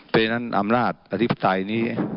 เพราะฉะนั้นอำนาจอธิปไตยนี้